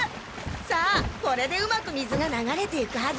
さあこれでうまく水が流れていくはず。